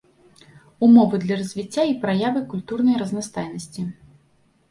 Умовы для развіцця і праявы культурнай разнастайнасці.